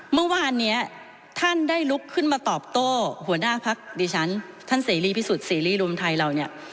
เมื่อวานนี้ท่านได้ลุกขึ้นมาตอบโต้หัวหน้าพักดิฉันท่านเสรีพิสุทธิเสรีรวมไทยเราเนี่ย